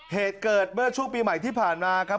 เหตุเกิดเมื่อช่วงปีใหม่ที่ผ่านมาครับ